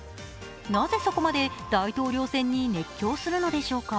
なぜそこまで大統領選に熱狂するのでしょうか。